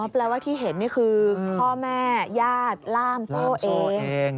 แปลว่าที่เห็นนี่คือพ่อแม่ญาติล่ามโซ่เอง